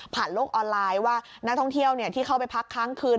โลกออนไลน์ว่านักท่องเที่ยวที่เข้าไปพักค้างคืน